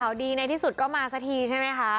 ดีในที่สุดก็มาสักทีใช่ไหมคะ